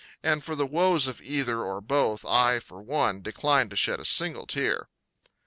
And for the woes of either or both I, for one, decline to shed a single tear.